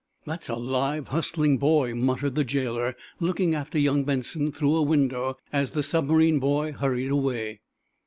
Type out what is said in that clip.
"That's a live, hustling boy," muttered the jailer, looking after young Benson through a window, as the submarine boy hurried away.